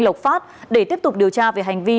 lộc phát để tiếp tục điều tra về hành vi